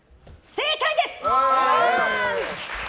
正解です！